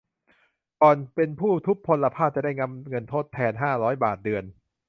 ก่อนเป็นผู้ทุพพลภาพ จะได้รับเงินทดแทน ห้าร้อย บาทเดือน